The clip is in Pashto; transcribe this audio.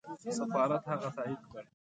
سفارت هغه تایید کړ.